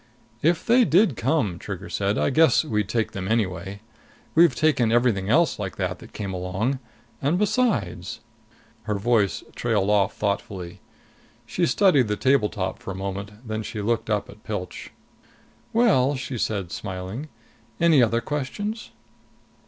"If they did come," Trigger said, "I guess we'd take them anyway. We've taken everything else like that that came long. And besides " Her voice trailed off thoughtfully. She studied the table top for a moment. Then she looked up at Pilch. "Well," she said, smiling, "any other questions?"